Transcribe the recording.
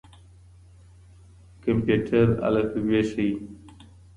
کمپيوټر الفبې ښيي.